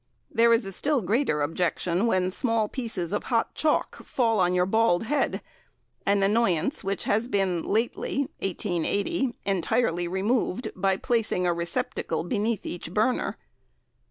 There is a still greater objection when small pieces of hot chalk fall on your bald head, an annoyance which has been lately (1880) entirely removed by placing a receptacle beneath each burner.